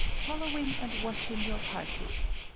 following and watching your " party."